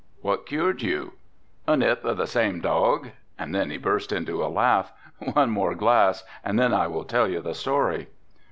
"What cured you?" "A nip of the same dog," and then he burst into a laugh. "One more glass and then I will tell you the story."